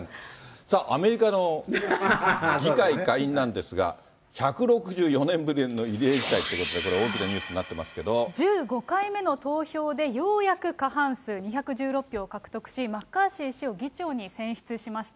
さあ、アメリカの議会下院なんですが、１６４年ぶりの異例事態ということで、これ、大きなニュースにな１５回目の投票で、ようやく過半数、２１６票を獲得し、マッカーシー氏を議長に選出しました。